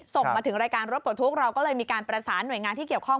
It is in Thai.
ส่งมาถึงรายการรถปลดทุกข์เราก็เลยมีการประสานหน่วยงานที่เกี่ยวข้อง